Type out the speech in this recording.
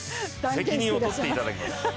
責任を取っていただきます。